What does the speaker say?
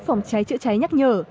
phòng cháy chữa cháy nhắc nhở